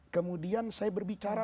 kemudian saya berbicara